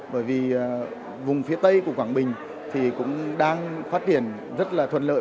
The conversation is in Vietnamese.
bởi vì vùng phía tây của quảng bình thì cũng đang phát triển rất là thuận lợi